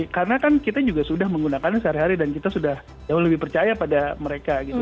karena kan kita juga sudah menggunakannya sehari hari dan kita sudah jauh lebih percaya pada mereka gitu